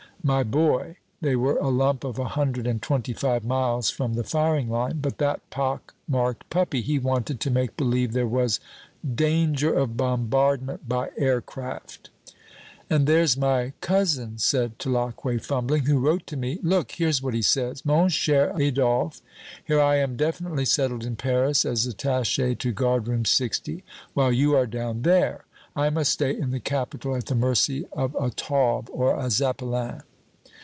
My boy, they were a lump of a hundred and twenty five miles from the firing line, but that pock marked puppy he wanted to make believe there was danger of bombardment by aircraft " "And there's my cousin," said Tulacque, fumbling, "who wrote to me Look, here's what he says: 'Mon cher Adolphe, here I am definitely settled in Paris as attache to Guard Room 60. While you are down there. I must stay in the capital at the mercy of a Taube or a Zeppelin!'"